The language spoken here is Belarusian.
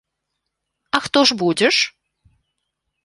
А хто ж будзеш?